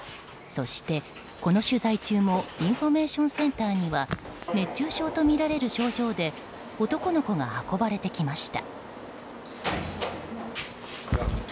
そして、この取材中もインフォメーションセンターには熱中症とみられる症状で男の子が運ばれてきました。